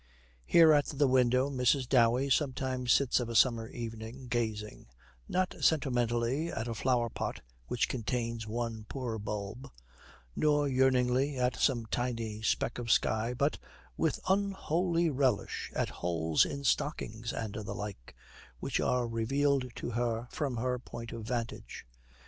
Here at the window Mrs. Dowey sometimes sits of a summer evening gazing, not sentimentally at a flower pot which contains one poor bulb, nor yearningly at some tiny speck of sky, but with unholy relish at holes in stockings, and the like, which are revealed to her from her point of vantage.